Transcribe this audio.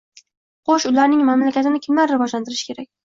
Xoʻsh, ularning mamlakatini kim rivojlantirishi kerak?